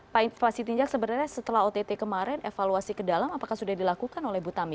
pak fasitinjak sebenarnya setelah ott kemarin evaluasi ke dalam apakah sudah dilakukan oleh bu tami